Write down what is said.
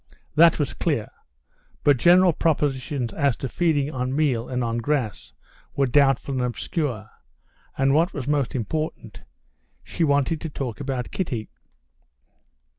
That was clear. But general propositions as to feeding on meal and on grass were doubtful and obscure. And, what was most important, she wanted to talk about Kitty.